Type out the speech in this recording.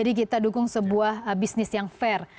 untuk mendukung sebuah bisnis yang fair